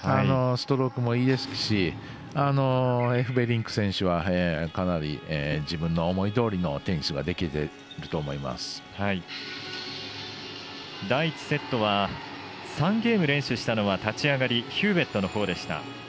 ストロークもいいですしエフベリンク選手はかなり自分の思いどおりの第１セットは３ゲーム連取したのは立ち上がりヒューウェットのほうでした。